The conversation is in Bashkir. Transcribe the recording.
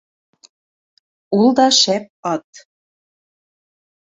Ул да шәп ат!